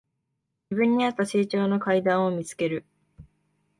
自分にあった成長の階段を見つける